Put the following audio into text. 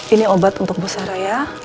ini obat untuk bu sarah ya